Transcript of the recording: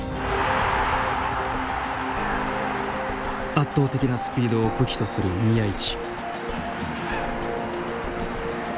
圧倒的なスピードを武器とする宮市。